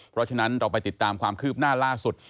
เพราะฉะนั้นเราไปติดตามความคืบหน้าล่าสุด